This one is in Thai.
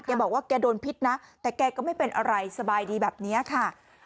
แกบอกว่าแกโดนพิษนะแต่แกก็ไม่เป็นอะไรสบายดีแบบนี้ค่ะ